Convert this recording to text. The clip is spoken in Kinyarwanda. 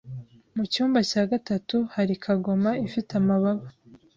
Mu cyumba cya gatatu hari kagoma ifite amababa